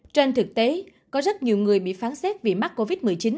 trên thực tế có rất nhiều người bị phán xét vì mắc covid một mươi chín